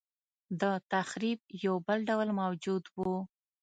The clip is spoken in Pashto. دتخریب یو بل ډول موجود و.